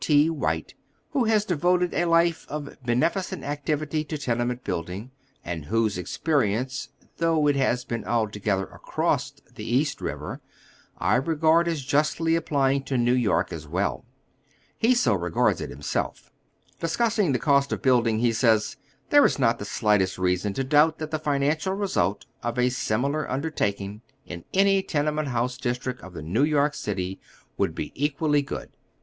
T. White, who has devoted a life of beneficent activity to tenement building, and whose experience, though it ■ across the East Eiver, I regard as oy Google „Google „Google 294 HOW THE OTHKR HALF LIVES. justly applying to New York as well. He so regards it himself. Discussing the cost of bnilding, he says :" There is not the slightest reason to doubt that the finan cial result of a similar undertaking in any tenement house district of New Tork City would be equally good.